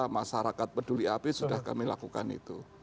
masyarakat peduli api sudah kami lakukan itu